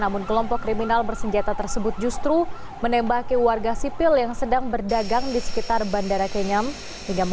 namun kelompok kriminal bersenjata tersebut justru menembaki warga sipil yang sedang berdagang di sekitar bandara kenyam